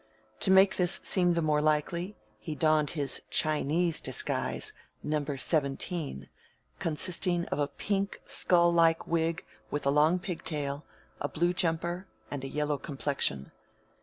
To make this seem the more likely, he donned his Chinese disguise, Number Seventeen, consisting of a pink, skull like wig with a long pigtail, a blue jumper, and a yellow complexion.